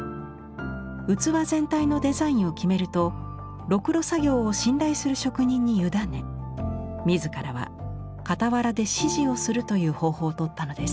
器全体のデザインを決めるとろくろ作業を信頼する職人に委ね自らは傍らで指示をするという方法をとったのです。